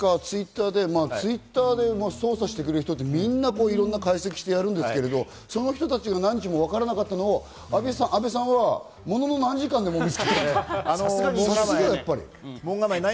何日かＴｗｉｔｔｅｒで捜査してくれる人ってみんないろんな解析してやるんですけど、その人たちが何日もわからなかったのを阿部さんは、ものの何時間で見つけた、さすが！